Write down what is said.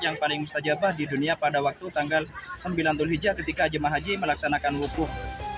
yang paling mustajabah di dunia pada waktu tanggal sembilan zulhijjah ketika jemaah haji melaksanakan wukuf